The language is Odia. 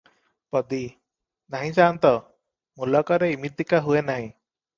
ପଦୀ-ନାହିଁ ସାନ୍ତ! ମୁଲକରେ ଇମିତିକା ହୁଏ ନାହିଁ ।